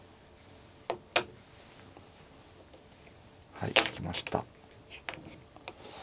はい行きました。